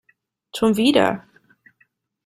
Schon wieder?